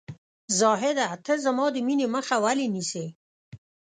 زاهده ! ته زما د مینې مخه ولې نیسې ؟